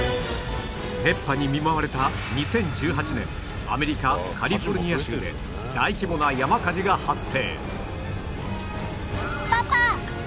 熱波に見舞われた２０１８年アメリカカリフォルニア州で大規模な山火事が発生